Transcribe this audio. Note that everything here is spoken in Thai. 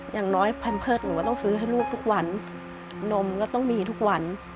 อย่างน้อยแพมเพิร์ตหนูก็ต้องซื้อให้ลูกทุกวันนมก็ต้องมีทุกวัน